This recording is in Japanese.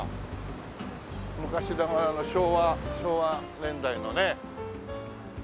昔ながらの昭和昭和年代のね。